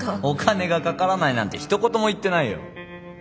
お金がかからないなんてひと言も言ってないよ？